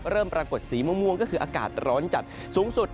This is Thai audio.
เริ่มปรากฏสีม่วงก็คืออากาศร้อนจัดสูงสุด